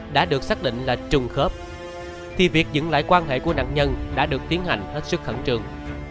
đã được xác định là trùng khớp thì việc dựng lại quan hệ của nạn nhân đã được tiến hành hết sức khẩn trương